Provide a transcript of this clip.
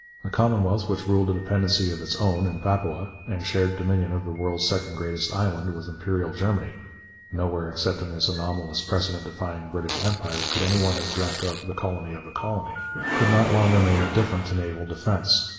A Commonwealth which ruled a dependency of its own, in Papua, and shared dominion of the world's second greatest island with imperial Germany (nowhere except in this anomalous, precedent defying British Empire could any one have dreamt of 'the colony of a colony'), could not long remain indifferent to naval defence.